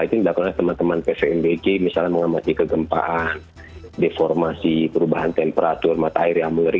itu dilakukan oleh teman teman ppmbg misalnya mengamati kegempaan deformasi perubahan temperatur matahari amuleri